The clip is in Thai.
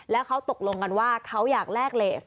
แล้วเขาตกลงกันว่าเขาอยากแลกเลส